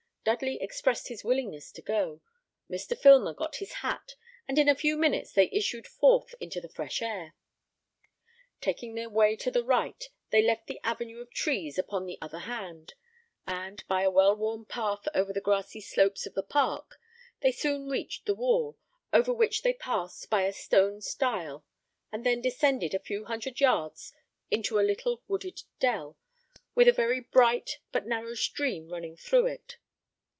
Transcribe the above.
Dudley expressed his willingness to go; Mr. Filmer got his hat, and in a few minutes they issued forth into the fresh air. Taking their way to the right, they left the avenue of trees upon the other hand; and, by a well worn path over the grassy slopes of the park, they soon reached the wall, over which they passed by a stone style, and then descended a few hundred yards into a little wooded dell, with a very bright but narrow stream running through it.